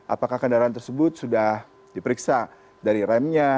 apakah kendaraan tersebut sudah diperiksa dari remnya